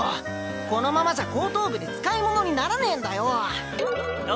このままじゃ高等部で使い物にならねえんだよ。